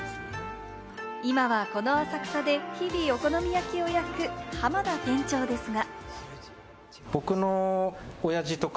今はこの浅草で日々お好み焼きを焼く浜田店長ですが。